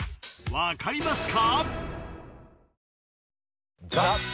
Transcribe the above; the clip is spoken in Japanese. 分かりますか？